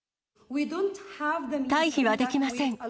退避はできません。